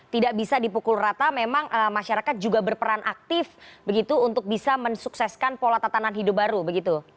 tidak bisa dipukul rata memang masyarakat juga berperan aktif begitu untuk bisa mensukseskan pola tatanan hidup baru begitu